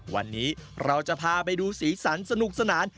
วันนี้เราจะพาไปดูสีสันสนุกสนาน